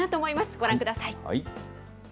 ご覧ください。